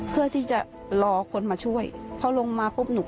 เพื่อที่จะรอคนมาช่วยพอลงมาปุ๊บหนู